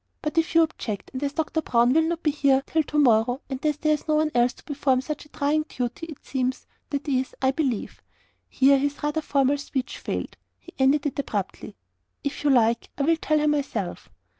But if you object, and as Doctor Brown will not be here till to morrow and as there is no one else to perform such a trying duty it seems that is, I believe" here his rather formal speech failed. He ended it abruptly "If you like I will tell her myself."